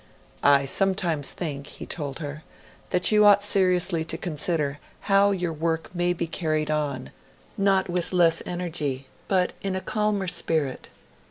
'I sometimes think,' he told her, 'that you ought seriously to consider how your work may be carried on, not with less energy, but in a calmer spirit.